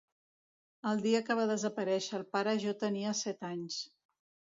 El dia que va desaparèixer el pare jo tenia set anys.